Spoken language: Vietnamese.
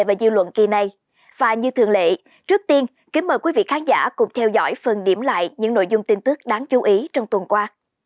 và như thường lệ trước tiên kính mời quý vị khán giả cùng theo dõi phần điểm lại những nội dung tin tức đáng chú ý trong tuần qua